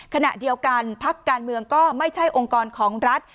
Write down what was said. ขณะเดียวกันพักการเมืองก็ไม่ใช่องค์กรของรัฐ